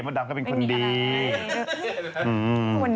นางกะตันยูนานางซื้อลดทัวร์ให้พ่อ